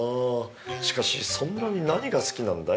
しかしそんなに何が好きなんだい？